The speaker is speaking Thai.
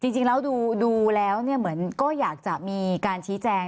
จริงแล้วดูแล้วเหมือนก็อยากจะมีการชี้แจง